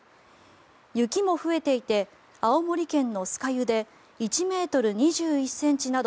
雪も増えていて青森県の酸ケ湯で１ｍ２１ｃｍなど